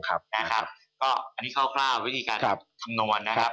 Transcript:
อันนี้คร่าววิธีการคำนวณนะครับ